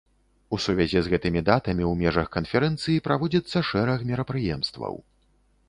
У сувязі з гэтымі датамі ў межах канферэнцыі праводзіцца шэраг мерапрыемстваў.